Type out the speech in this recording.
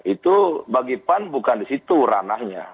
itu bagi pan bukan di situ ranahnya